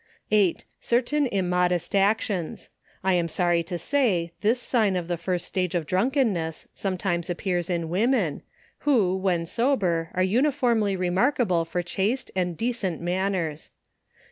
8. Certain immodest actions. I am sorry to say, this sign of the first stage of drunkenness, sometimes appears in women, who, when sohcr, are uniformly remarkable for chaste and decent manners.